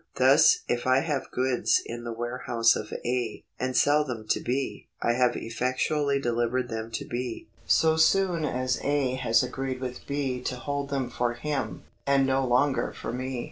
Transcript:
Thus if I have goods in the warehouse of A., and sell them to B., I have effectually delivered them to B., so soon as A. has agreed with B. to hold them for him, and no longer for me.